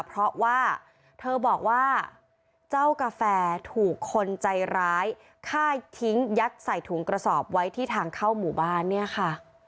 เพราะว่าเธอบอกว่าเจ้ากาแฟถูกคนใจร้ายฆ่าทิ้งยัดใส่ถุงกระสอบไว้ที่ทางเข้าหมู่บ้านเนี่ยค่ะ